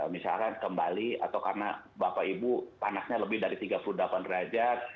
misalkan kembali atau karena bapak ibu panasnya lebih dari tiga puluh delapan derajat